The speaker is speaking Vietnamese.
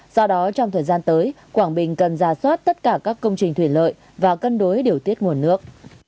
do đó trong thời gian tới quảng bình cần ra soát tất cả các công trình thủy lợi và cân đối điều tiết nguồn nước